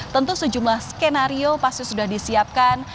tentu sejumlah skenario pasti sudah disiapkan